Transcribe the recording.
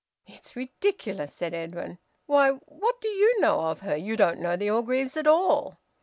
"It's ridiculous," said Edwin. "Why what do you know of her you don't know the Orgreaves at all!"